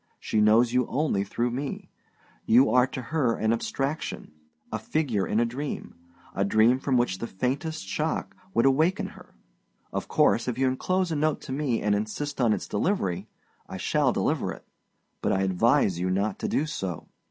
She knows you only through me; you are to her an abstraction, a figure in a dream a dream from which the faintest shock would awaken her. Of course, if you enclose a note to me and insist on its delivery, I shall deliver it; but I advise you not to do so.